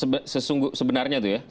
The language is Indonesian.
benarnya itu ya